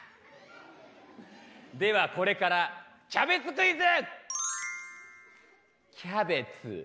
ではこれからキャベツクイズ！